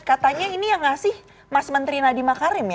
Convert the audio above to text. katanya ini yang ngasih mas menteri nadiem makarim ya